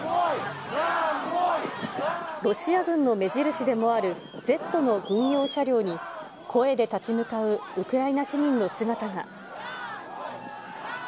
ロシア軍の目印でもあるＺの軍用車両に、声で立ち向かうウクライナ市民の姿が。